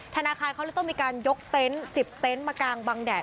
ธนาคารเขาเลยต้องมีการยกเต็นต์๑๐เต็นต์มากางบางแดด